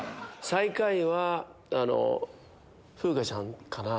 最下位は風花ちゃんかなって。